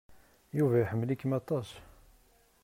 Yuba iḥemmel-ikem aṭas.